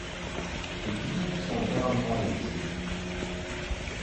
Les critiques sont généralement élogieux.